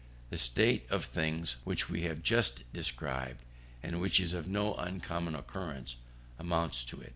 The state of things which we have just described, and which is of no uncommon occurrence, amounts to it.